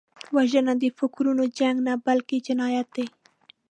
وژنه د فکرونو جنګ نه، بلکې جنایت دی